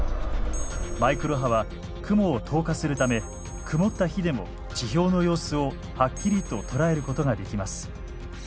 マイクロ波は雲を透過するため曇った日でも地表の様子をはっきりと捉えることができます。